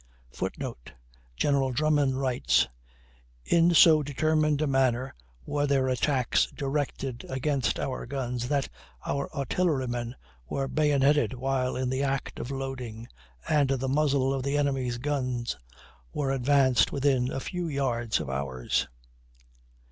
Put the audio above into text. [Footnote: General Drummond writes: "In so determined a manner were their attacks directed against our guns that our artillerymen were bayoneted while in the act of loading, and the muzzle of the enemy's guns were advanced within a few yards of ours."